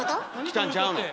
きたんちゃうの？